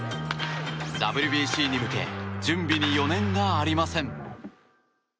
ＷＢＣに向け準備に余念がありません。